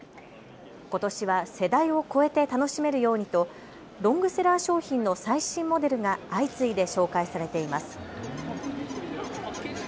ことしは世代を超えて楽しめるようにとロングセラー商品の最新モデルが相次いで紹介されています。